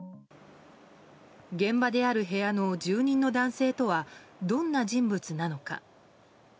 現場である部屋の住人の男性とはどんな人物なのか。